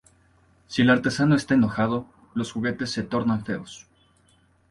Si el artesano está enojado, los juguetes se tornan feos.